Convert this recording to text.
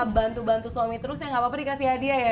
bantu bantu suami terus ya gak apa apa dikasih hadiah ya